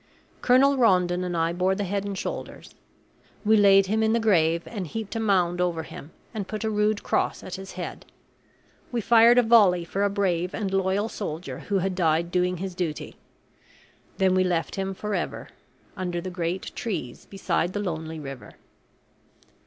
Colonel Rondon and I bore the head and shoulders. We laid him in the grave, and heaped a mound over him, and put a rude cross at his head. We fired a volley for a brave and loyal soldier who had died doing his duty. Then we left him forever, under the great trees beside the lonely river.